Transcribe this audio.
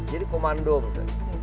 jadi komando misalnya